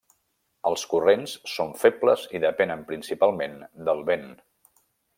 Els corrents són febles i depenen principalment del vent.